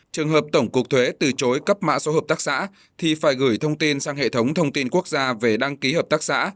trường hợp tổng cục thuế từ chối cấp mã số hợp tác xã thì phải gửi thông tin sang hệ thống thông tin quốc gia về đăng ký hợp tác xã